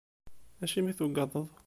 Acimi tugadeḍ?